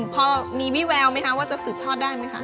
พอมีวิแววไหมคะว่าจะสืบทอดได้ไหมคะ